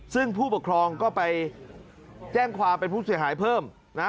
ซึ่งผู้ปกครองก็ไปแจ้งความเป็นผู้เสียหายเพิ่มนะ